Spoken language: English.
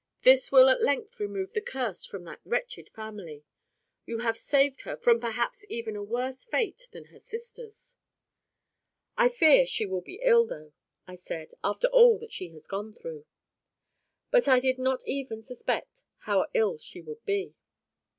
This will at length remove the curse from that wretched family. You have saved her from perhaps even a worse fate than her sister's." "I fear she will be ill, though," I said, "after all that she has gone through." But I did not even suspect how ill she would be.